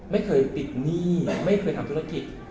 ไม่เคยติดหนี้ไม่เคยทำธุรกิจ